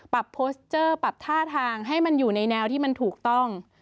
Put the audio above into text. โพสต์เจอร์ปรับท่าทางให้มันอยู่ในแนวที่มันถูกต้อง